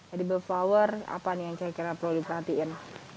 edible flower apa nih yang saya kira perlu diperhatikan